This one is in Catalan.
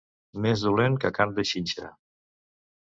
Més dolent que carn de xinxa.